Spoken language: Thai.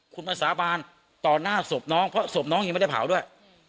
คุณมาสาบานต่อหน้าศพน้องเพราะศพน้องยังไม่ได้เผาด้วย